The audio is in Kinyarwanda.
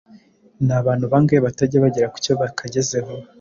Ni abantu bangahe batajya bagera ku cyo bakagezeho